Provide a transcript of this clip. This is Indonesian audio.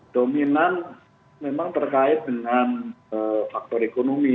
dominan memang terkait dengan faktor ekonomi